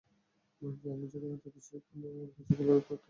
আমি যেখানে থাকি, সেখান থেকে খিজিলার দূরত্ব আসা-যাওয়া মিলে কমপক্ষে দুই ঘণ্টা।